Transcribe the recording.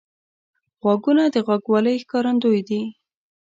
غوږونه د غوږوالۍ ښکارندوی دي